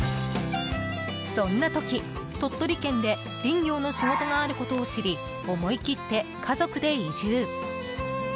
そんな時、鳥取県で林業の仕事があることを知り思い切って家族で移住。